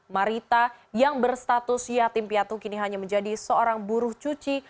marita yang berstatus yatim piatu kini hanya menjadi seorang buruh cuci